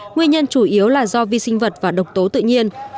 nguyên nhân chủ yếu là do vi sinh vật và độc tố tự nhiên